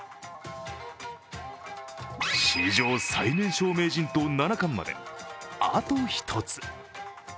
史上最年少名人と七冠まであと１つ。